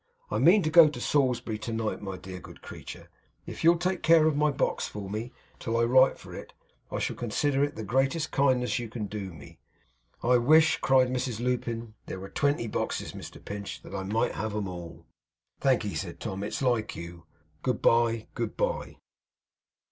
I mean to go to Salisbury to night, my dear good creature. If you'll take care of my box for me till I write for it, I shall consider it the greatest kindness you can do me.' 'I wish,' cried Mrs Lupin, 'there were twenty boxes, Mr Pinch, that I might have 'em all.' 'Thank'ee,' said Tom. 'It's like you. Good bye. Good bye.